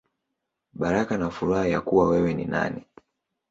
Baraka na Furaha Ya Kuwa Wewe Ni Nani.